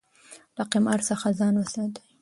له قمار څخه ځان وساتئ.